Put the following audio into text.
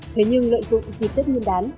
thế nhưng lợi dụng dịp tết nguyên đán